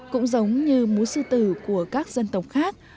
cũng giống như múa sư tử của các dân tộc khác